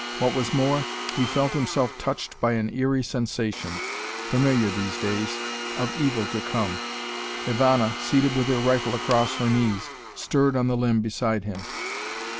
What was more, he felt himself touched by an eery sensation familiar these days of evil to come. Ivana, seated with her rifle across her knees, stirred on the limb beside him.